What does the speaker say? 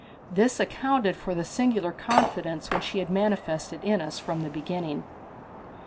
This accounted for the singular confidence which she had manifested in us from the beginning.